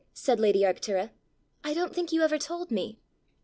said lady Arctura. "I don't think you ever told me."